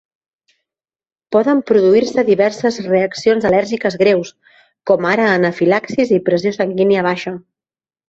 Poden produir-se diverses reaccions al·lèrgiques greus, com ara anafilaxis i pressió sanguínia baixa.